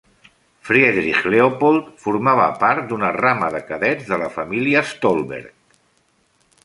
Friedrich Leopold formava part d'una rama de cadets de la família Stolberg.